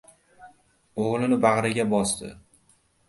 O‘g‘lini bag‘riga bosdi.